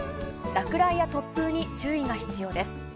落雷や突風に注意が必要です。